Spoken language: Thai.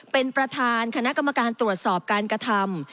เป็นประธานคณะกรรมการตรวจสอบการกระทำ